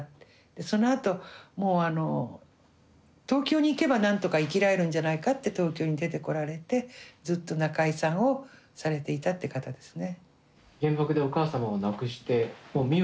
そのあともうあの東京に行けばなんとか生きられるんじゃないかって東京に出てこられてずっと仲居さんをされていたって方ですね。